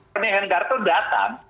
ronny hendarto datang